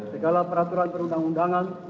segala peraturan perundang undangan